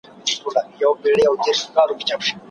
موږ به له ماڼۍ څخه ډګر ته وړاندي لاړ نه سو.